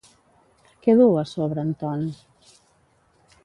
Què duu a sobre en Ton?